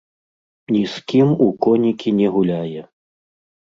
Ні з кім у конікі не гуляе.